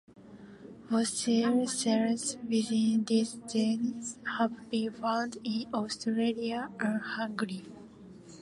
Fossil shells within this genus have been found in Austria and Hungary.